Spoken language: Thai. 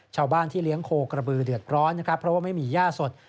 ชาวบ้านที่เลี้ยงโคกระบือเดือดร้อนนะครับเพราะว่าไม่มีย่าสด